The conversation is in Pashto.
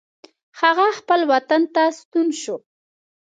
هغه خپل وطن ته ستون شو.